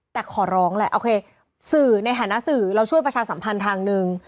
แต่ขอร้องแหละโอเคสื่อในฐานะสื่อเราช่วยประชาสัมพันธ์ทางหนึ่ง